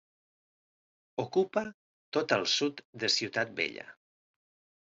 Ocupa tot el sud de Ciutat Vella.